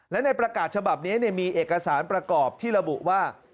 และในประกาศฉบับนี้มีเอกสารประกอบที่ระบุว่า